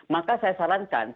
maka saya sarankan tunggu sebentar